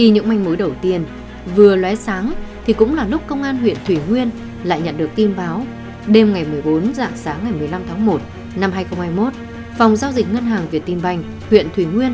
nguyễn văn văn nguyễn nguyễn nguyễn nguyễn nguyễn nguyễn nguyễn nguyễn nguyễn nguyễn nguyễn nguyễn nguyễn nguyễn nguyễn nguyễn nguyễn